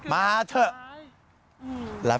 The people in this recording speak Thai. มาเถอะ